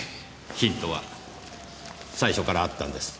ヒントは最初からあったんです。